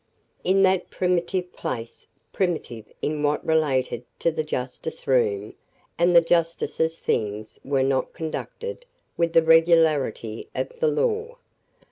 In that primitive place primitive in what related to the justice room and the justices things were not conducted with the regularity of the law.